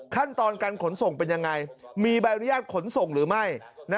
ขั้นตอนการขนส่งเป็นยังไงมีใบอนุญาตขนส่งหรือไม่